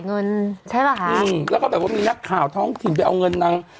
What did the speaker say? เงินใช่ป่ะคะอืมแล้วก็แบบว่ามีนักข่าวท้องถิ่นไปเอาเงินนาง